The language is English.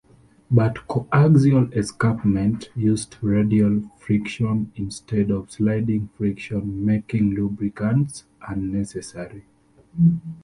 But coaxial escapement used radial friction instead of sliding friction making lubricants unnecessary.